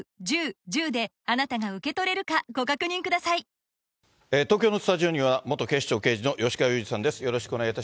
警察の調べに対し、東京のスタジオには、元警視庁刑事の吉川祐二さんです。